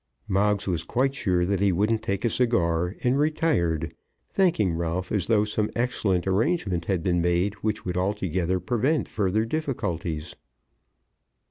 Moggs was quite sure that he wouldn't take a cigar, and retired, thanking Ralph as though some excellent arrangement had been made which would altogether prevent further difficulties.